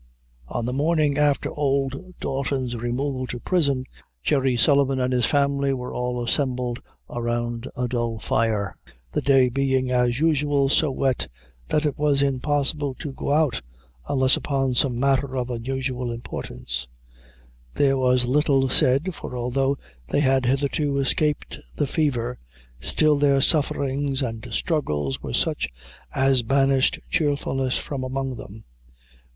On the morning after old Dalton's removal to prison, Jerry Sullivan and his family were all assembled around a dull fire, the day being, as usual, so wet that it was impossible to go out unless upon some matter of unusual importance; there was little said, for although they had hitherto escaped the fever, still their sufferings and struggles were such as banished cheerfulness from among them.